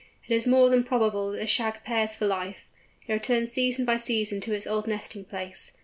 It is more than probable that the Shag pairs for life: it returns season by season to its old nesting place.